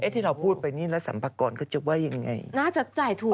ที่เราพูดไปนี่แล้วสรรพากรเขาจะว่ายังไงน่าจะจ่ายถูก